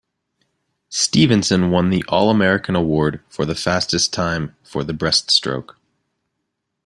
Stevenson won the all American award for fastest time for the breast stroke.